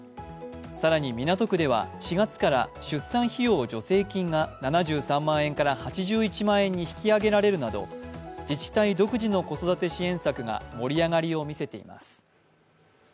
更に港区では４月から出産費用助成金が７３万円から８１万円に引き上げられるなど自治体独自の子育て支援策が盛り上がりを見せています。